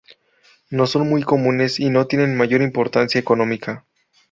No son muy comunes y no tienen mayor importancia económica.